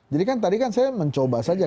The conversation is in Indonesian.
jadi kan tadi saya mencoba saja